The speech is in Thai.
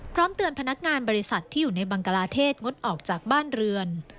พร้อมเตือนพนักงานบริษัทที่อยู่ในบังกลาเทศงดออกจากบ้านเรือน